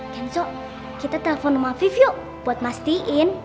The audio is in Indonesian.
kenzo kita telepon om afib yuk buat mastiin